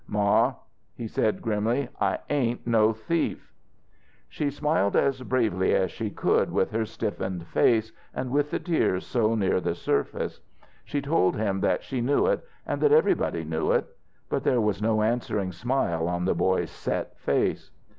"Ma," he said grimly, "I ain't no thief!" She smiled as bravely as she could with her stiffened face and with the tears so near the surface. She told him that she knew it, and that everybody knew it. But there was no answering smile on the boys set face.